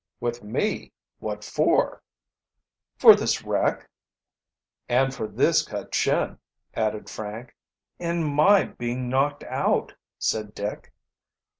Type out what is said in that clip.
"With me? What for?" "For this wreck." "And for this cut chin," added Frank. "And my being knocked out," said Dick.